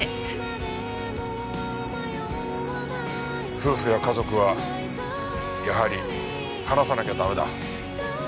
夫婦や家族はやはり話さなきゃダメだ。